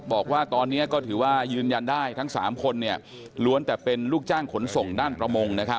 บอกว่าตอนนี้ก็ถือว่ายืนยันได้ทั้ง๓คนล้วนแต่เป็นลูกจ้างขนส่งด้านประมง